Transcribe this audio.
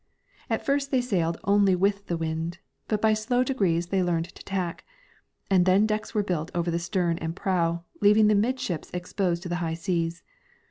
At first they sailed only with the wind, but by slow degrees they learned to tack; then decks were built over the stern and prow, leaving the mid ships exposed to the high seas.